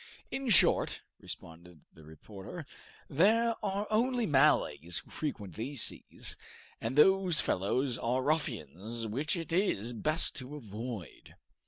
"In short," responded the reporter, "there are only Malays who frequent these seas, and those fellows are ruffians which it is best to avoid."